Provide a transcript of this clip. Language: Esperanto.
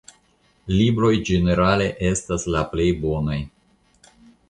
Libroj ĝenerale estas la plej bonaj.